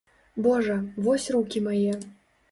Божа, вось рукі мае.